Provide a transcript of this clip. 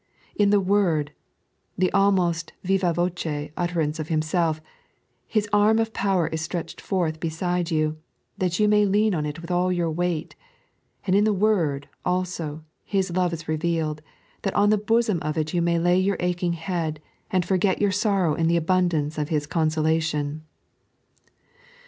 In the Word — the ahnoet viva voce utterance of Himself — His arm of power is stretched forth beside you, that you may lean on it with all your weight ; and in the Word, also, His love is revealed, that on the bosom of it yon may lay your aching head, and foi^t your sorrow in the abundance of His conaoUtiou.